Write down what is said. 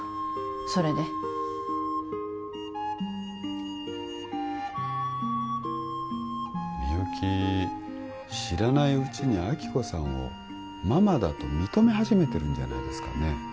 それでみゆき知らないうちに亜希子さんをママだと認め始めてるんじゃないですかね？